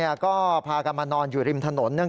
มีความรู้สึกว่าเกิดอะไรขึ้น